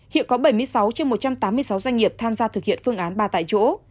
hiện có bảy mươi sáu trên một trăm tám mươi sáu doanh nghiệp tham gia thực hiện phương án ba tại chỗ